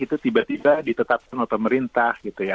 itu tiba tiba ditetapkan oleh pemerintah